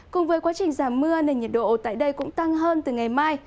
cùng với quá trình giảm mưa nền nhiệt độ tại đây cũng tăng hơn từ ngày mai